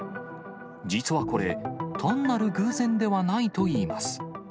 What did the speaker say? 実はこれ、単なる偶然ではないといいます。